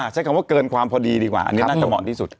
ใช้คำว่าเกินความพอดีดีกว่าอันนี้น่าจะเหมาะที่สุด